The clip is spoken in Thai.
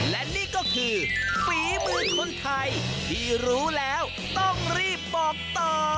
และนี่ก็คือฝีมือคนไทยที่รู้แล้วต้องรีบบอกต่อ